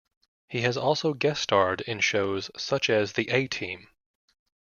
He has also guest starred in shows such as "The A-Team".